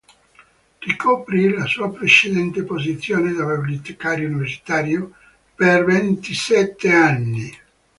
Ricoprì la sua precedente posizione da bibliotecario universitario, per ventisette anni.